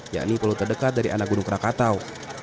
yakni pulau terdekat dari anak gunung rakatau